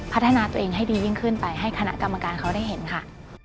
พัฒนาตัวเองให้ดียิ่งขึ้นไปให้คณะกรรมการเขาได้เห็นค่ะ